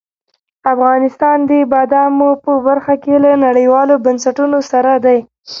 افغانستان د بادامو په برخه کې له نړیوالو بنسټونو سره دی.